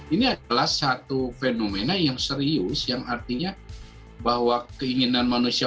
ini adalah satu fenomena yang serius yang artinya bahwa keinginan manusia